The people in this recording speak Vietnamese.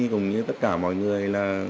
cùng như tất cả mọi người